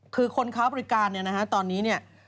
คือคนค้าบริการตอนนี้เนี่ย